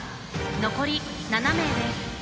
残り７名です。